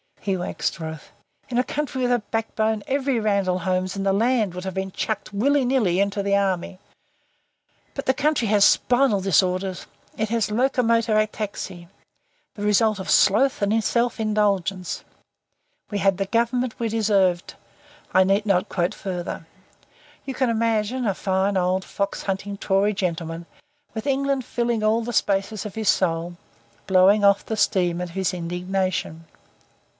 He waxed wroth. In a country with a backbone every Randall Holmes in the land would have been chucked willy nilly into the army. But the country had spinal disorders. It had locomotor ataxy. The result of sloth and self indulgence. We had the Government we deserved ... I need not quote further. You can imagine a fine old fox hunting Tory gentleman, with England filling all the spaces of his soul, blowing off the steam of his indignation.